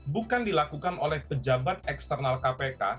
bukan dilakukan oleh pejabat eksternal kpk